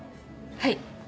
はい。